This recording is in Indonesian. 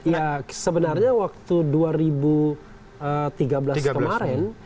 ya sebenarnya waktu dua ribu tiga belas kemarin